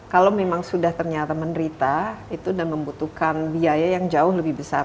kalau memang sudah ternyata menderita itu dan membutuhkan biaya yang jauh lebih besar